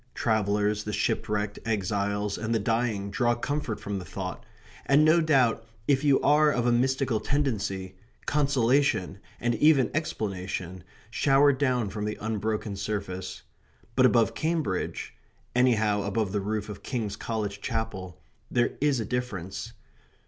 Travellers, the shipwrecked, exiles, and the dying draw comfort from the thought, and no doubt if you are of a mystical tendency, consolation, and even explanation, shower down from the unbroken surface. But above Cambridge anyhow above the roof of King's College Chapel there is a difference.